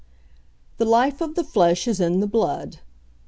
"'The life of the flesh is in the blood.'